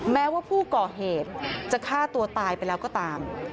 แม้ว่าผู้ก่อเหตุจะฆ่าตัวตายไปแล้วก็ตาม